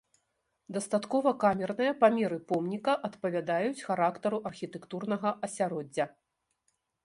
Дастаткова камерныя памеры помніка адпавядаюць характару архітэктурнага асяроддзя.